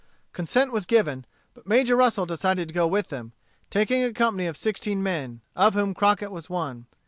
Consent was given; but Major Russel decided to go with them, taking a company of sixteen men, of whom Crockett was one.